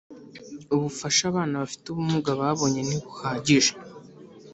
ubufasha Abana bafite ubumuga babonye ntibuhagije